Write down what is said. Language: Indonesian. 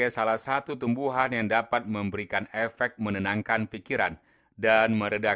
bila nanti aku pulang ke rumah